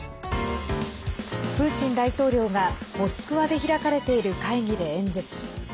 プーチン大統領が、モスクワで開かれている会議で演説。